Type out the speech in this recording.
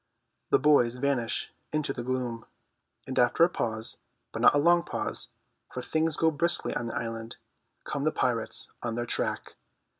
The boys vanish in the gloom, and after a pause, but not a long pause, for things go briskly on the island, come the pirates on their track.